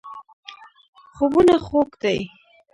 خوبونه خوږ دي.